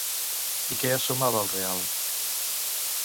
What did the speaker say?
I què es sumava al real?